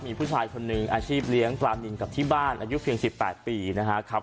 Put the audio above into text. มีผู้ชายคนหนึ่งอาชีพเลี้ยงปลานินกับที่บ้านอายุเพียง๑๘ปีนะครับ